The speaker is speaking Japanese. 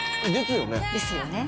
ですよね？